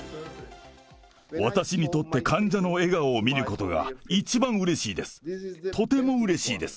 私にとって患者の笑顔を見ることが一番うれしいです。